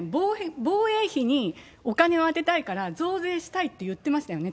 防衛費にお金を充てたいから増税したいって言ってましたよね。